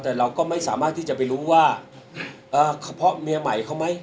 แต่เราก็ไม่สามารถที่จะไปรู้ว่าเพราะเมียใหม่เขาไหม